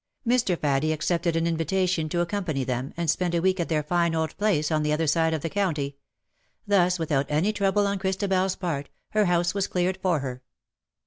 Mr. Faddie accepted an invitation to accom pany them^ and spend a week at their fine old place on the other side of the county— thus_, with out any trouble on ChristabeFs part^ her house was cleared for her.